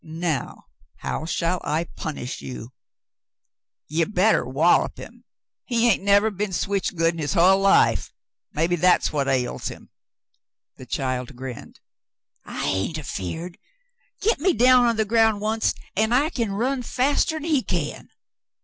"Now, how shall I punish you .^^" "Ye bettah whollop him. He hain't nevah been switched good in his hull life. Maybe that's what ails him." The child grinned. "I hain't afeared. Get me down on the ground oncet, an' I c'n run faster'n he can."